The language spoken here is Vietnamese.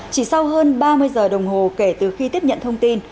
chỉ sau hơn ba mươi giờ đồng hồ kể từ khi tiếp nhận thông tin